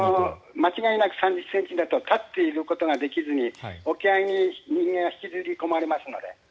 間違いなく３０ｃｍだと立っていることができずに沖合に人間は引きずり込まれますので。